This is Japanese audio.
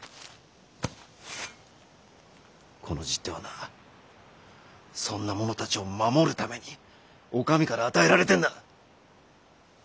この十手はなそんな者たちを守るためにお上から与えられてんだ。